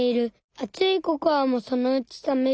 あついココアもそのうちさめる。